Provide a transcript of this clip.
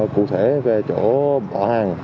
cụ thể về chỗ bỏ hàng